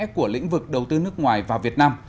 của lĩnh vực đầu tư nước ngoài vào việt nam